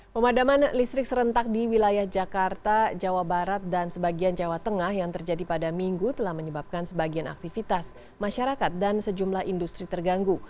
pemadaman listrik serentak di wilayah jakarta jawa barat dan sebagian jawa tengah yang terjadi pada minggu telah menyebabkan sebagian aktivitas masyarakat dan sejumlah industri terganggu